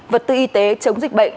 vật tư y tế chống dịch bệnh